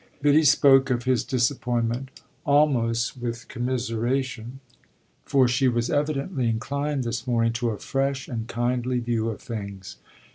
Biddy spoke of his disappointment almost with commiseration, for she was evidently inclined this morning to a fresh and kindly view of things.